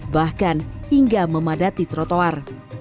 bahkan hingga memadati trotoar